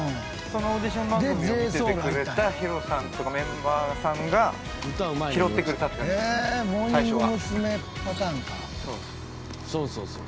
そのオーディション番組を見ててくれた、ＨＩＲＯさんとかメンバーさんが拾ってくれたって感じです。